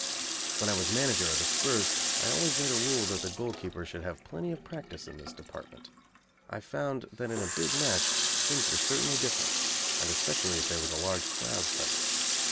When I was Manager of the 'Spurs I always made a rule that a goalkeeper should have plenty of practice in this department. I found that in a big match things were certainly different, and especially if there was a large crowd present.